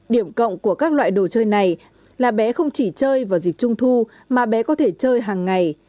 điểm cộng của các loại đồ chơi này là bé không chỉ chơi vào dịp trung thu mà bé có thể chơi hàng ngày